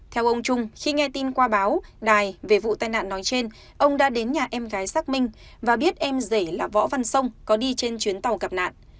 theo ông trung khi nghe tin qua báo đài về vụ tai nạn nói trên ông đã đến nhà em gái xác minh và biết em rể là võ văn sông có đi trên chuyến tàu gặp nạn